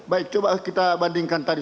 baik coba kita bandingkan tadi